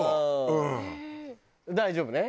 大丈夫ね？